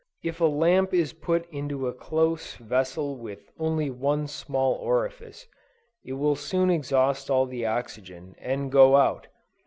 If a lamp is put into a close vessel with only one small orifice, it will soon exhaust all the oxygen, and go out.